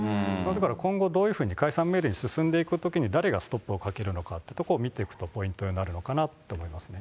だから今後、どういうふうに解散命令に進んでいくときに誰がストップをかけるのかというところを見ていくとポイントになるのかなと思いますね。